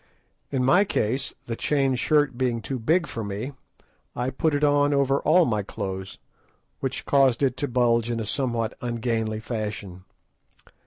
In my case, the chain shirt being too big for me, I put it on over all my clothes, which caused it to bulge in a somewhat ungainly fashion.